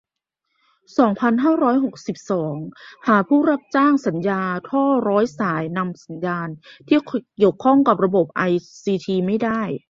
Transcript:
สองพันห้าร้อยหกสิบสอง หาผู้รับจ้างงานสัญญาท่อร้อยสายนำสัญญา ที่เกี่ยวข้องระบบไอซีทีไม่ได้